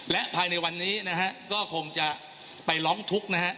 และภายในวันนี้นะฮะก็คงจะไปร้องทุกข์นะฮะ